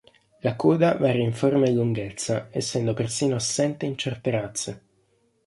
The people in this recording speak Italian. La coda varia in forma e lunghezza, essendo persino assente in certe razze.